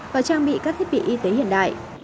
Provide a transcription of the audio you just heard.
và trang bị các thiết bị y tế hiện đại